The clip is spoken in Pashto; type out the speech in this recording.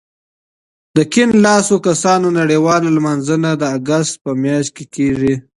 د کیڼ لاسو کسانو نړیواله لمانځنه د اګست په میاشت کې کېږي.